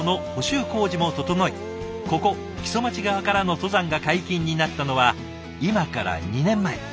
ここ木曽町側からの登山が解禁になったのは今から２年前。